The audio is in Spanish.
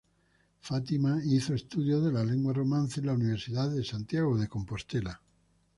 Fátima hizo estudios de lenguas romances en la Universidad de Santiago de Compostela.